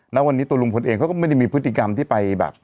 ณวันนี้ตัวลุงพลเองเขาก็ไม่ได้มีพฤติกรรมที่ไปแบบ